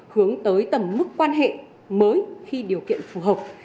hướng tới tầm mức quan hệ mới khi điều kiện phù hợp